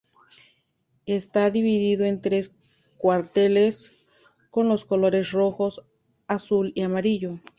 Está dividido en tres cuarteles con los colores rojo, azul y amarillo.